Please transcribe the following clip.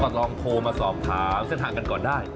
ก็ลองโทรมาสอบถามเส้นทางกันก่อนได้